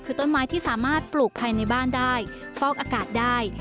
คือต้นไม้ที่สามารถปลูกภายในบ้านได้ฟอกอากาศได้